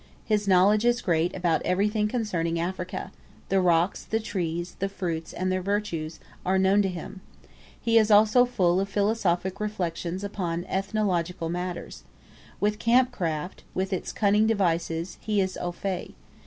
His knowledge is great about everything concerning Africa the rocks, the trees, the fruits, and their virtues, are known to him. He is also full of philosophic reflections upon ethnological matter. With camp craft, with its cunning devices, he is au fait.